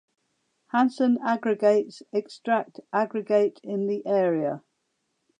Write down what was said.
Hanson Aggregates extract aggregate in the area.